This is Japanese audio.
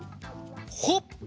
ほっ！